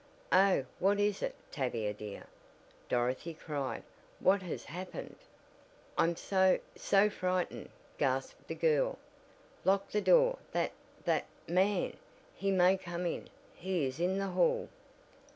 "Oh, what is it, Tavia dear?" Dorothy cried. "What has happened?" "I'm so so frightened," gasped the girl. "Lock the door that that man he may come in! He is in the hall."